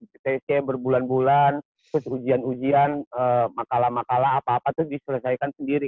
btc berbulan bulan terus ujian ujian makalah makalah apa apa itu diselesaikan sendiri